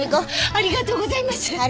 ありがとうございます。